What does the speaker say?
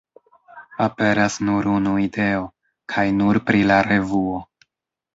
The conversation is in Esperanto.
Aperas nur unu ideo, kaj nur pri la revuo.